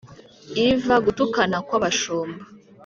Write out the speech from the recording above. iv gutukana kw'abashumba